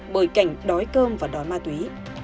bởi cảnh đói cơm và đói ma túy